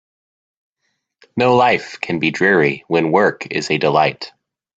No life can be dreary when work is a delight.